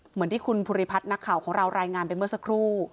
เหมือนที่คุณภูริพัฒน์นักข่าวของเรารายงานไปเมื่อสักครู่